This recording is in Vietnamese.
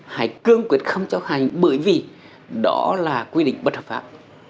hãy cương quyết không chấp hành bởi vì đó là quy định bất hợp pháp